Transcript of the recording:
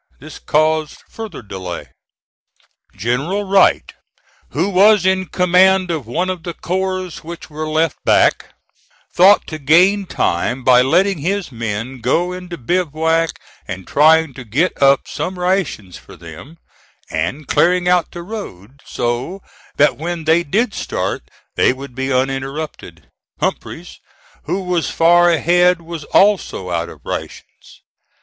This caused further delay. General Wright, who was in command of one of the corps which were left back, thought to gain time by letting his men go into bivouac and trying to get up some rations for them, and clearing out the road, so that when they did start they would be uninterrupted. Humphreys, who was far ahead, was also out of rations.